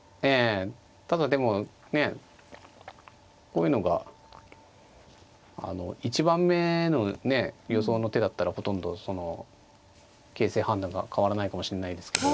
こういうのが１番目の予想の手だったらほとんど形勢判断が変わらないかもしれないですけど。